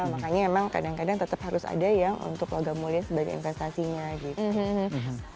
makanya emang kadang kadang tetap harus ada yang untuk logam mulia sebagai investasinya gitu